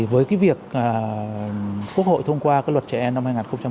với việc quốc hội thông qua luật trẻ em năm hai nghìn một mươi sáu